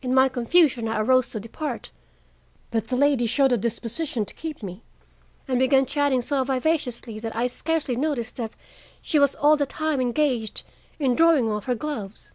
In my confusion I arose to depart, but the lady showed a disposition to keep me, and began chatting so vivaciously that I scarcely noticed that she was all the time engaged in drawing off her gloves.